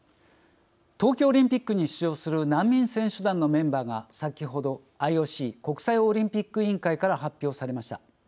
東京オリンピックに出場する難民選手団のメンバーが先ほどＩＯＣ＝国際オリンピック委員会から発表されました。